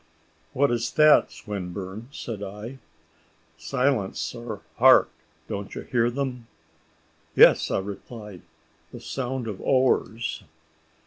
"What is that, Swinburne?" said I. "Silence, sir. Hark! don't you hear them?" "Yes," replied I; "the sound of oars."